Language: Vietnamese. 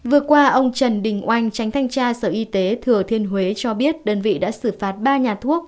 vừa qua ông trần đình oanh tránh thanh tra sở y tế thừa thiên huế cho biết đơn vị đã xử phạt ba nhà thuốc